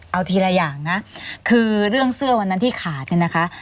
เอาทีละอย่างนะคือเรื่องเสื้อวันนั้นที่ขาดเนี่ยนะคะ